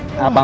itu aneh pak